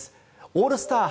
オールスター